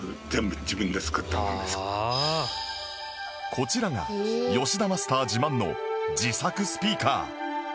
こちらが吉田マスター自慢の自作スピーカー